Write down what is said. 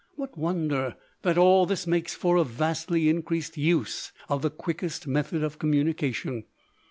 What wonder that all this makes for a vastly increased use of the quickest method of communication?